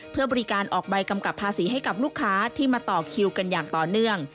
เพื่อบริการออกใบกำกับภาษีให้กับลูกค้าที่มาต่อคิวกันอย่างต่อเนื่อง